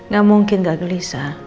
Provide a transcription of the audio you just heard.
gak mungkin gak gelisah